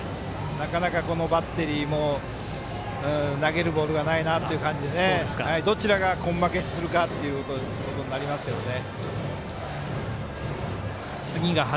なかなかバッテリーも投げるボールがないなという感じでどちらが根負けするかということになりますけどね。